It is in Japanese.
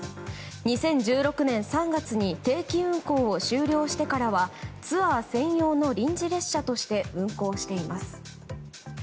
２０１６年３月に定期運行を終了してからはツアー専用の臨時列車として運行しています。